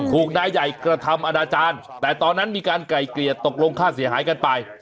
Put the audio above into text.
นายใหญ่กระทำอนาจารย์แต่ตอนนั้นมีการไก่เกลียดตกลงค่าเสียหายกันไป